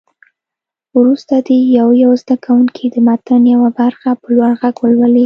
وروسته دې یو یو زده کوونکی د متن یوه برخه په لوړ غږ ولولي.